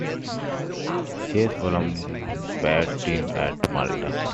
Chess Olympiad team at Malta.